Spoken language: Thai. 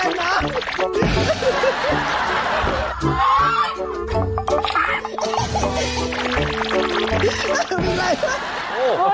มันแจ้งหรอ